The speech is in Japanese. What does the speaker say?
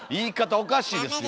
おかしいですよ。